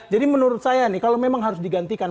jadi menurut saya nih kalau memang harus digantikan